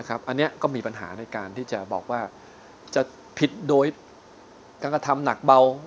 อันนี้ก็มีปัญหาในการที่จะบอกว่าจะผิดโดยการกระทำหนักเบา